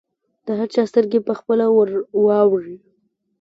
د هر چا سترګې به پخپله ورواوړي.